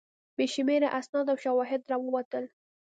بې شمېره اسناد او شواهد راووتل.